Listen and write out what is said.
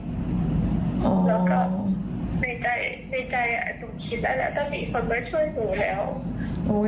แล้วก็ในใจในใจหนูคิดแล้วแล้วต้องมีคนมาช่วยหนูแล้ว